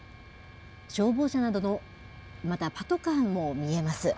消防車など、またパトカーも見えます。